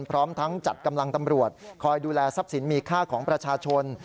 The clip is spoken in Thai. พร้อมทั้งจัดกำลังตำรวจคอยดูแลทรัพย์สินมีค่าของประชาชน